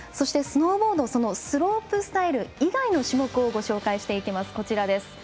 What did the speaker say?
スノーボードのスロープスタイル以外の種目をご紹介していきます。